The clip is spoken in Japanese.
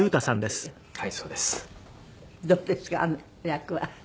役は。